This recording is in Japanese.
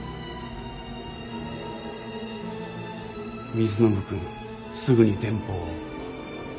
光延君すぐに電報を。